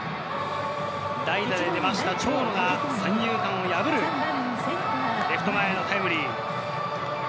代打で出ました長野が三遊間を破るレフト前タイムリー。